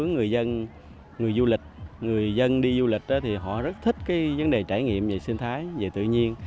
người dân đi du lịch thì họ rất thích vấn đề trải nghiệm về sinh thái về tự nhiên